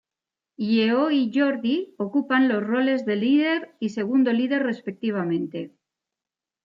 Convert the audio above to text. Lleó y Jordi ocupan los roles de líder y segundo líder respectivamente.